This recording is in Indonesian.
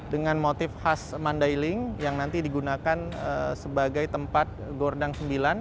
dengan motif khas mandailing yang nanti digunakan sebagai tempat gordang sembilan